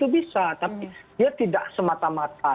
bisa tapi dia tidak semata mata